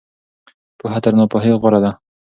پوهه تر ناپوهۍ غوره ده.